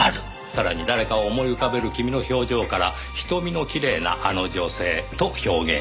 さらに誰かを思い浮かべる君の表情から「瞳のきれいなあの女性」と表現した。